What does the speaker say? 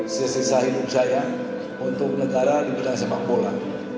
sesisa hidup saya untuk negara di bidang sepak bola